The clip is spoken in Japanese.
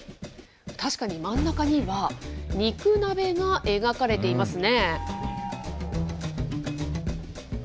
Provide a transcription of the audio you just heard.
確かに真ん中には、肉鍋が描かれていますね。